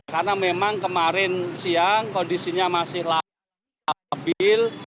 karena memang kemarin siang kondisinya masih labil